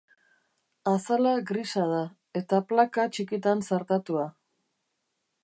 Azala grisa da, eta plaka txikitan zartatua.